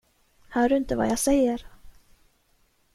Hör du inte vad jag säger?